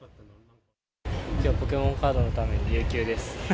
きょうはポケモンカードのために有休です。